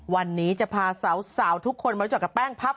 วันนี้จะพาสาวทุกคนมารู้จักกับแป้งพับ